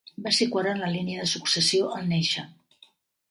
Va ser quart en la línia de successió al néixer.